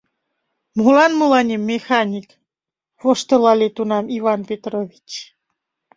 — Молан мыланем механик? — воштылале тунам Иван Петрович.